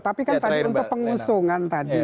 tapi kan tadi untuk pengusungan tadi